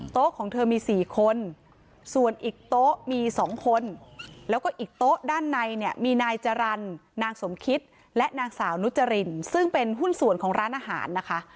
ของเธอมี๔คนส่วนอีกโต๊ะมี๒คนแล้วก็อีกโต๊ะด้านในเนี่ยมีนายจรรย์นางสมคิตและนางสาวนุจรินซึ่งเป็นหุ้นส่วนของร้านอาหารนะคะ